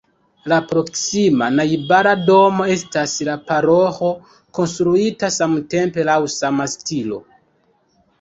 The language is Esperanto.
La proksima, najbara domo estas la paroĥo konstruita samtempe laŭ sama stilo.